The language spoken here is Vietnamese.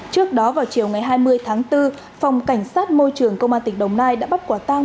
trước đó vào chiều ngày hai mươi tháng bốn phòng cảnh sát môi trường công an tỉnh đồng nai đã bắt quả tang